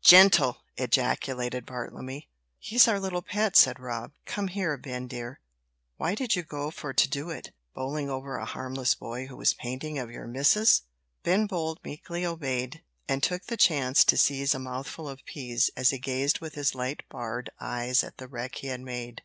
"Gentle!" ejaculated Bartlemy. "He's our little pet," said Rob. "Come here, Ben, dear. Why did you go for to do it? Bowling over a harmless boy who was painting of your missus!" Ben Bolt meekly obeyed, and took the chance to seize a mouthful of peas, as he gazed with his light barred eyes at the wreck he had made.